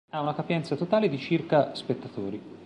Ha una capienza totale di circa spettatori.